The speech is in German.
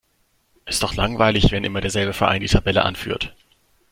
Es ist doch langweilig, wenn immer derselbe Verein die Tabelle anführt.